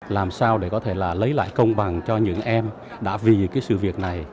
làm sao để có thể là lấy lại công bằng cho những em đã vì cái sự việc này